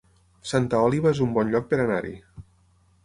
Santa Oliva es un bon lloc per anar-hi